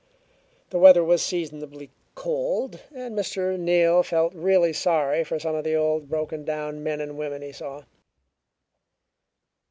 The weather was seasonably cold, and Mr. Neal felt really sorry for some of the old, broken down men and women he saw.